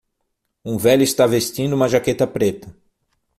Um velho está vestindo uma jaqueta preta.